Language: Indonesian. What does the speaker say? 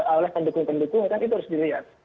oleh pendukung pendukung kan itu harus dilihat